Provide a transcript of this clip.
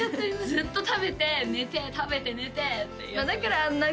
ずっと食べて寝て食べて寝てだからあんな